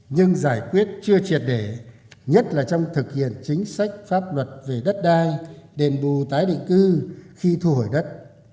nhưng giải quyết chưa triệt để nhất là trong thực hiện chính sách pháp luật về đất đai đền bù tái định cư khi thu hồi đất